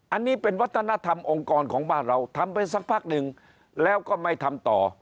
อันนี้เป็นวัฒนธรรมองค์กรของบ้านเราทำไปสักพักหนึ่งแล้วก็ไม่ทำต่อ